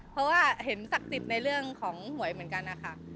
เพราะว่าเห็นศักดิ์สิทธิ์ในเรื่องของหวยเหมือนกันนะคะ